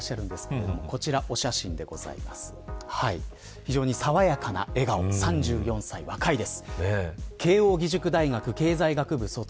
非常に爽やかな笑顔３４歳若いです。